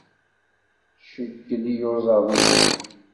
Jeyyel iyuzaḍ-nni.